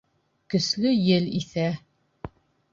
Көслө ел иҫә.